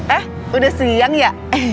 eh udah siang ya